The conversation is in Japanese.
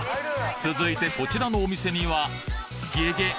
続いてこちらのお店にはげげ！